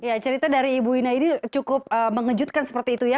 ya cerita dari ibu wina ini cukup mengejutkan seperti itu ya